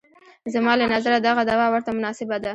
زما له نظره دغه دوا ورته مناسبه ده.